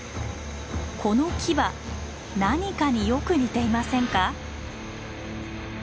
このキバ何かによく似ていませんか？